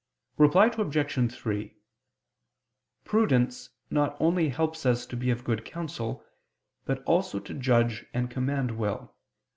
Reply Obj. 3: Prudence not only helps us to be of good counsel, but also to judge and command well.